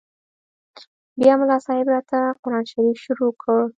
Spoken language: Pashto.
بيا ملا صاحب راته قران شريف شروع کړ.